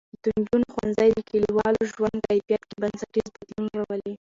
د نجونو ښوونځی د کلیوالو ژوند کیفیت کې بنسټیز بدلون راولي.